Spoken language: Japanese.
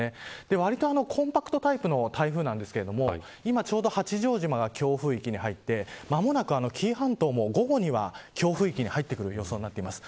わりとコンパクトタイプの台風なんですが今ちょうど八丈島が強風域に入って間もなく紀伊半島も午後には強風域に入ってくる予想になっています。